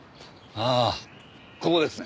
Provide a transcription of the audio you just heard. ああここですね。